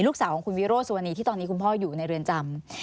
ลูกสาวของคุณวิโรสุวรรณีที่ตอนนี้คุณพ่ออยู่ในเรือนจำ